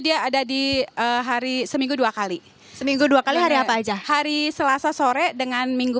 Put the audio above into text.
dia ada di hari seminggu dua kali seminggu dua kali hari apa aja hari selasa sore dengan minggu